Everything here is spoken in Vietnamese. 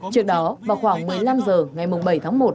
trước đó vào khoảng một mươi năm h ngày bảy tháng một